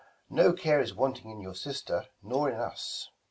No care Is wanting in your sister, nor in us.